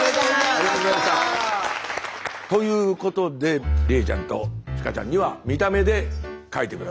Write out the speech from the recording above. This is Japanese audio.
ということで理恵ちゃんと千佳ちゃんには見た目で書いて下さい。